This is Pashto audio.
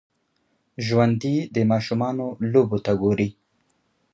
ژوندي د ماشومانو لوبو ته ګوري